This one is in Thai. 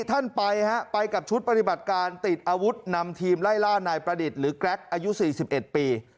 ท่านไปฮะไปกับชุดปฏิบัติการติดอาวุธนำทีมไล่ล่านายประดิษฐ์หรือแกรกอายุ๔๑ปี